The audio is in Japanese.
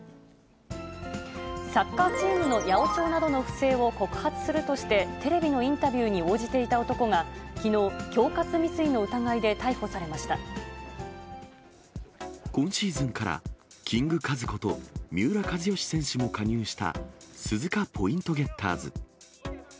サッカーチームの八百長などの不正を告発するとして、テレビのインタビューに応じていた男が、きのう、恐喝未遂の疑いで逮捕さ今シーズンから、キングカズこと三浦知良選手も加入した鈴鹿ポイントゲッターズ。